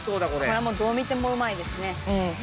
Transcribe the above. これどう見てもうまいですね。